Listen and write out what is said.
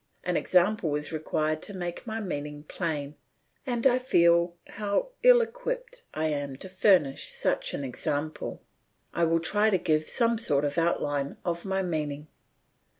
An example is required to make my meaning plain and I feel how ill equipped I am to furnish such an example. I will try to give some sort of outline of my meaning.